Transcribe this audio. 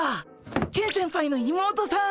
ケン先輩の妹さん！